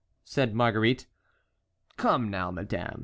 said Marguerite. "Come now, madame!"